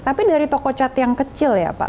tapi dari toko cat yang kecil ya pak